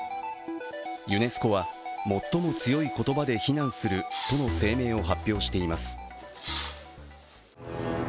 ユネスコは最も強い言葉で非難するとの声明を発表しています。